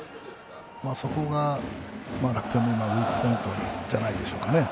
そこが楽天のウイークポイントじゃないですかね。